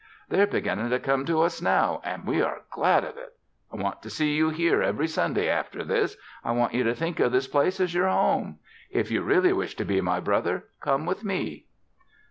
They're beginning to come to us now and we are glad of it. I want to see you here every Sunday after this. I want you to think of this place as your home. If you really wish to be my brother, come with me."